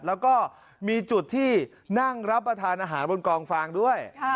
แล้วก็มีจุดที่นั่งรับประทานอาหารบนกองฟางด้วย